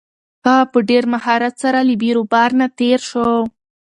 هغه په ډېر مهارت سره له بیروبار نه تېر شو.